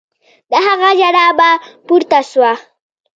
د هغه ژړا به پورته سوه.